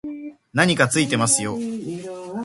何かついてますよ